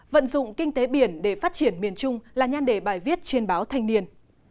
vận dụng kinh tế biển để phát triển miền trung là nhan đề bài viết trên báo thanh niên